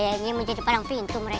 kayaknya mau jadi pelang pintu mereka